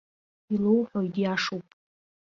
Илоуҳәои, диашоуп.